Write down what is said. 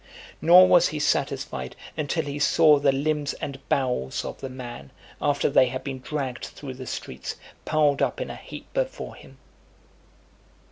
Nor was he satisfied, until he saw the limbs and bowels of the man, after they had been dragged through the streets, piled up in a heap before him.